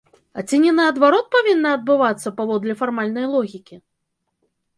А ці не наадварот павінна адбывацца, паводле фармальнай логікі?